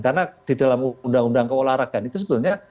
karena di dalam undang undang keolahragaan itu sebenarnya